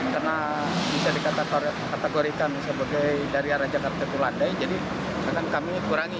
karena bisa dikategorikan sebagai dari arah jakarta tuladai jadi akan kami kurangi